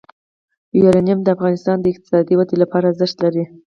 یورانیم د افغانستان د اقتصادي ودې لپاره ارزښت لري.